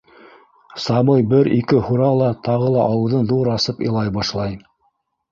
Сабый бер-ике һура ла, тағы ауыҙын ҙур асып илай башлай.